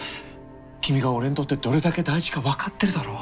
君が俺にとってどれだけ大事か分かってるだろう。